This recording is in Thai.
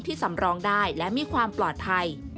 สำรองได้และมีความปลอดภัย